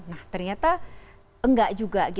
nah ternyata enggak juga